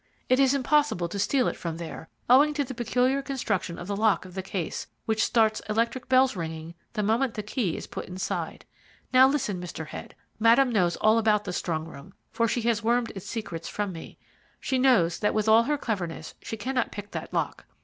It is impossible to steal it from there, owing to the peculiar construction of the lock of the case, which starts electric bells ringing the moment the key is put inside. Now listen, Mr. Head. Madame knows all about the strong room, for she has wormed its secrets from me. She knows that with all her cleverness she cannot pick that lock.